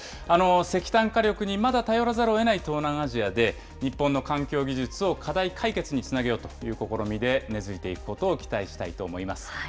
石炭火力にまだ頼らざるをえない東南アジアで日本の環境技術を課題解決につなげようという試みで根づいていくことを期待したいと思います。